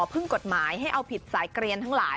พึ่งกฎหมายให้เอาผิดสายเกลียนทั้งหลาย